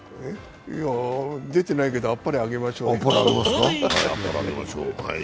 いや、出てないけどあっぱれあげましょう。